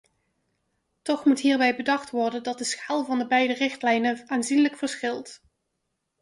Toch moet hierbij bedacht worden dat de schaal van de beide richtlijnen aanzienlijk verschilt.